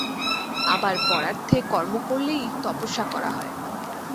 আবার পরার্থে কর্ম করলেই তপস্যা করা হয়।